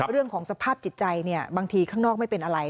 เรื่องของสภาพจิตใจบางทีข้างนอกไม่เป็นอะไร